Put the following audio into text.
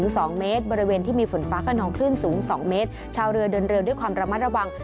ในบริเวณที่มีฝนฟ้ากันของคลื่นสูง๒เมตรชาวเรือเดินเร็วด้วยความระมัดระวัง